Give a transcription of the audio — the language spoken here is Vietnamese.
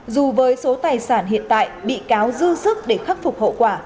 dù với số tài sản hiện tại bị cáo dư sức để khắc phục hậu quả